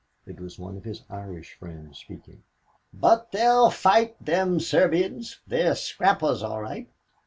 It was one of his Irish friends speaking. "But they'll fight, them Serbians; they're scrappers all right.